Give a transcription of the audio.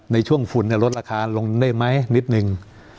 ในช่วงฝุ่นลดราคาลงได้ไหมนิดนึง